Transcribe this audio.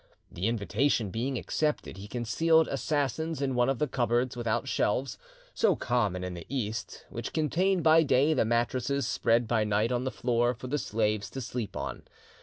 The invitation being accepted, he concealed assassins in one of the cupboards without shelves, so common in the East, which contain by day the mattresses spread by night on the floor for the slaves to sleep upon.